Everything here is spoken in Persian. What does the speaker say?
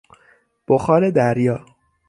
بخار دریا